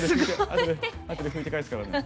あとで拭いて返すから。